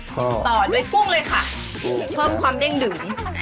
ต่อด้วยกุ้งเลยค่ะเพิ่มความเด้งดึง